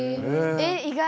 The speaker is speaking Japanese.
えっ意外！